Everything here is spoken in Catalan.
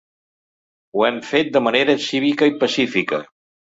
Ho hem fet de manera cívica i pacífica.